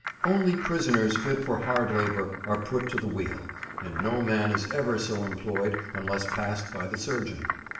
Only prisoners fit for hard labour are put to the wheel, and no man is ever so employed unless passed by the surgeon.